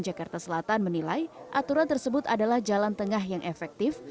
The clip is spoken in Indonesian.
jakarta selatan menilai aturan tersebut adalah jalan tengah yang efektif